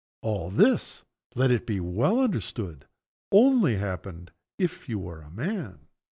All this, let it be well understood, only happened if you were a man.